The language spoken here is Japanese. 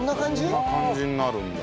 こんな感じになるんだ。